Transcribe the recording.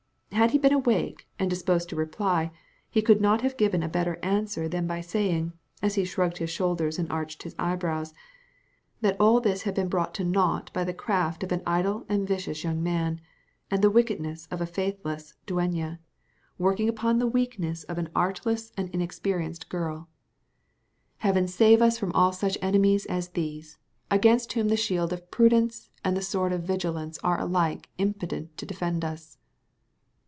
Had he been awake, and disposed to reply, he could not have given a better answer than by saying, as he shrugged his shoulders and arched his eyebrows, that all this had been brought to nought by the craft of an idle and vicious young man, and the wickedness of a faithless dueña, working upon the weakness of an artless and inexperienced girl. Heaven save us all from such enemies as these, against whom the shield of prudence and the sword of vigilance are alike impotent to defend us!